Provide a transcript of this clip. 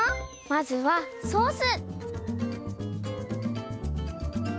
まずはソース。